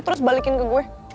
terus balikin ke gue